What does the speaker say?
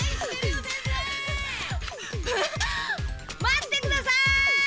待ってください！